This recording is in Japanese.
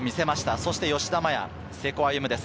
そして吉田麻也、瀬古歩夢です。